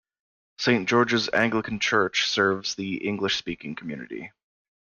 Saint George's Anglican Church serves the English-speaking community.